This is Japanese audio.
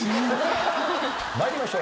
参りましょう。